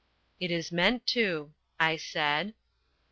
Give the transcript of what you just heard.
"It is meant to," I said.